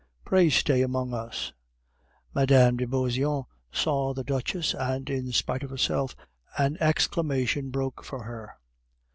Pray stay among us." Mme. de Beauseant saw the Duchesse, and, in spite of herself, an exclamation broke from her.